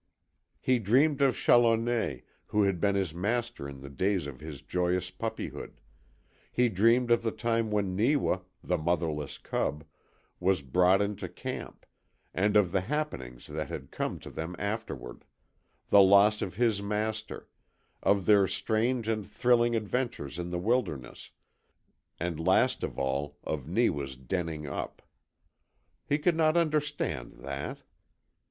He dreamed of Challoner, who had been his master in the days of his joyous puppyhood; he dreamed of the time when Neewa, the motherless cub, was brought into camp, and of the happenings that had come to them afterward; the loss of his master, of their strange and thrilling adventures in the wilderness, and last of all of Neewa's denning up. He could not understand that.